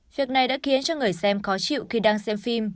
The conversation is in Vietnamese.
việc này đã khiến cho người xem khó chịu khi đang xem phim